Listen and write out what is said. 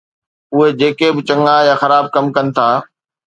اهي جيڪي به چڱا يا خراب ڪم ڪن ٿا